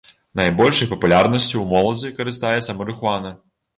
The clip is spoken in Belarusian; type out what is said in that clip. Найбольшай папулярнасцю ў моладзі карыстаецца марыхуана.